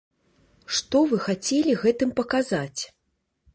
Што вы хацелі гэтым паказаць?